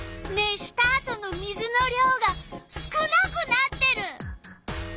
熱したあとの水の量が少なくなってる。